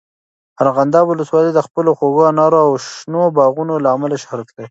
ارغنداب ولسوالۍ د خپلو خوږو انارو او شنو باغونو له امله شهرت لري.